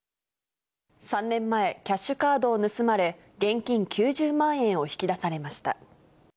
３年前、キャッシュカードを盗まれ、現金９０万円を引き出されました。